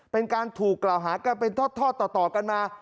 เป็นการถูกกล่าวหากันเป็นทอดต่อกันมา